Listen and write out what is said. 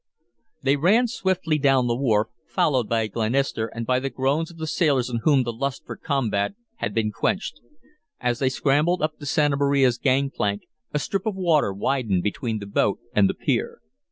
They ran swiftly down the wharf, followed by Glenister and by the groans of the sailors in whom the lust for combat had been quenched. As they scrambled up the Santa Maria's gang plank, a strip of water widened between the boat and the pier.